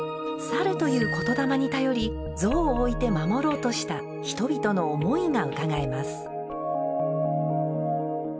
さるという言霊に頼り、像を置いて守ろうとした人々の思いが伺えます。